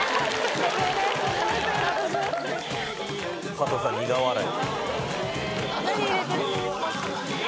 加藤さん苦笑い。